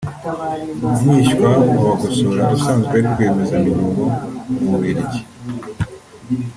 mwishywa wa Bagosora usanzwe ari rwiyemezamirimo mu Bubiligi